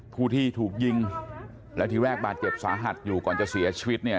ผู้ที่ถูกยิงแล้วทีแรกบาดเจ็บสาหัสอยู่ก่อนจะเสียชีวิตเนี่ย